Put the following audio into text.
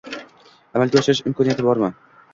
Amalga oshirish imkoniyati bormi?